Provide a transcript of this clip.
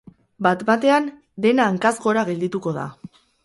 Bat-batean, dena hankaz gora geldituko da.